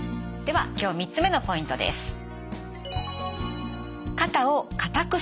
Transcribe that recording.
では今日３つ目のポイントです。